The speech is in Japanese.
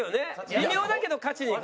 微妙だけど勝ちにいく。